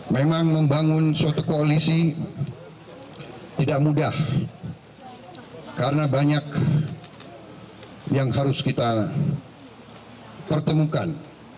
memang membangun suatu koalisi tidak mudah karena banyak yang harus kita pertemukan